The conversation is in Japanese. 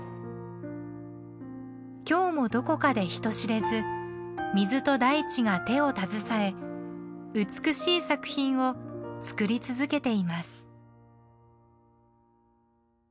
今日もどこかで人知れず水と大地が手を携え美しい作品を作り続けています。